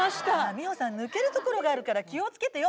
美穂さん抜けるところがあるから気を付けてよ。